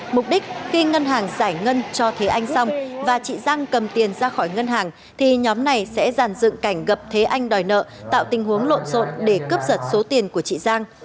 mục đích khi ngân hàng giải ngân cho thế anh xong và chị giang cầm tiền ra khỏi ngân hàng thì nhóm này sẽ giàn dựng cảnh gặp thế anh đòi nợ tạo tình huống lộn xộn để cướp giật số tiền của chị giang